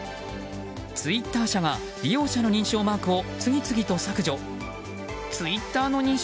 ツイッター社が利用者の認証マークを次々と削除。